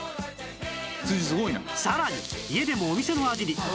さらに家でもお店の味に！